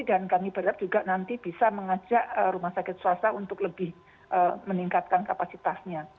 dan kami berharap juga nanti bisa mengajak rumah sakit swasta untuk lebih meningkatkan kapasitasnya